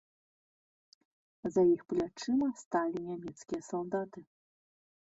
За іх плячыма сталі нямецкія салдаты.